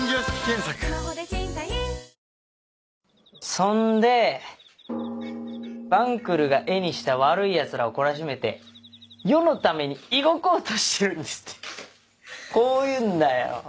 そんで「晩来が絵にした悪いヤツらを懲らしめて世のために動こうとしてるんです」ってこう言うんだよ